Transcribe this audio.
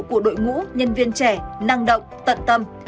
của đội ngũ nhân viên trẻ năng động tận tâm